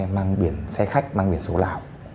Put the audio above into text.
mang biển xe khách mang biển số lào